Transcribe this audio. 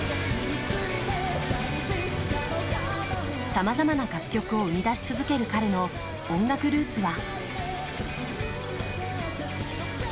さまざまな楽曲を生み出し続ける彼の音楽ルーツは？